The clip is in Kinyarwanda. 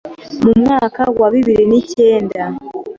mu mwaka wa bibiri n’icyenda